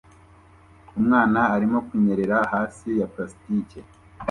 Umwana arimo kunyerera hasi ya plastike